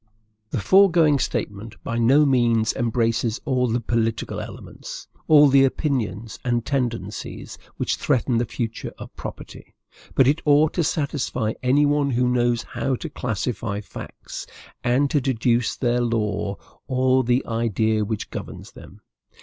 The foregoing statement by no means embraces all the political elements, all the opinions and tendencies, which threaten the future of property; but it ought to satisfy any one who knows how to classify facts, and to deduce their law or the idea which governs them.